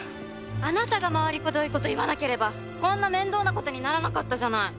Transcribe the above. あなたが回りくどいこと言わなければこんな面倒なことにならなかったじゃない。